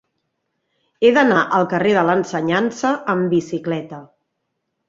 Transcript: He d'anar al carrer de l'Ensenyança amb bicicleta.